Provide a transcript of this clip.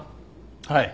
はい。